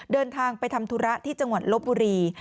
เดินทางไปทำธุระที่จังหวัดลบบุรี